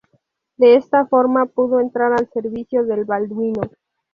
De esta forma pudo entrar al servicio de Balduino.